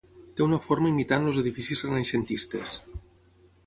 Té una forma imitant els edificis renaixentistes.